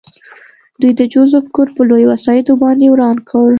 دوی د جوزف کور په لویو وسایطو باندې وران کړ